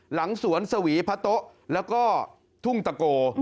หลังสวนสวีพระโต๊ะแล้วก็ทุ่งตะโก